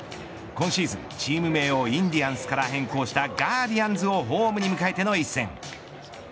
今シーズン、チーム名をインディアンスから変更したガーディアンズをホームに迎えての一戦。